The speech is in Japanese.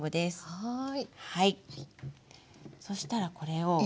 はい。